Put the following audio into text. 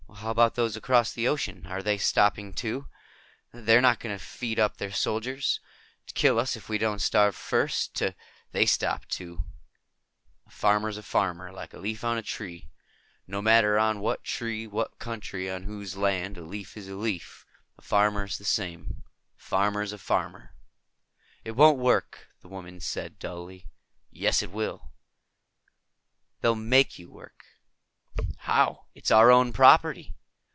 "How about those across the ocean? Are they stopping, too? They're not going to feed up their soldiers? To kill us if we don't starve first? To " "They stopped, too. A farmer is a farmer. Like a leaf on a tree. No matter on what tree in what country on whose land. A leaf is a leaf. A farmer's the same. A farmer is a farmer." "It won't work," the woman said dully. "Yes, it will." "They'll make you work." "How? It's our own property."